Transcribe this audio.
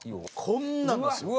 こんなんですよ。